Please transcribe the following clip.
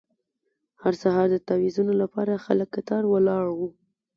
هر سهار د تاویزونو لپاره خلک کتار ولاړ وو.